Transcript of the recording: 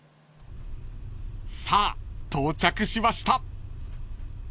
［さあ到着しました］